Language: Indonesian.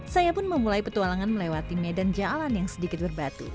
saya pun memulai petualangan melewati medan jalan yang sedikit berbatu